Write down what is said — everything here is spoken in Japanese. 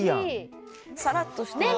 さらっとして。